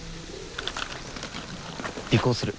尾行する。